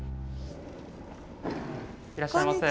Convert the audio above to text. いらっしゃいませ。